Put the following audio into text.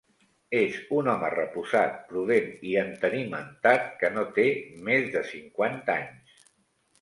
És un home reposat, prudent i entenimentat, que no té més de cinquanta anys.